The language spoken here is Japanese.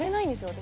私。